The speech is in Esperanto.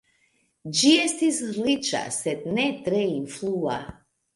Ĝi estis riĉa, sed ne tre influa.